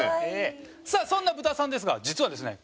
さあそんなブタさんですが実はですね